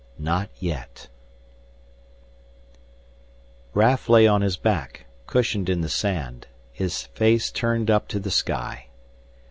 18 NOT YET Raf lay on his back, cushioned in the sand, his face turned up to the sky.